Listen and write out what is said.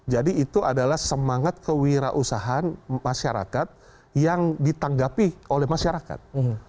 jadi itu adalah semangat kewirausahaan masyarakat yang ditanggapi oleh masyarakat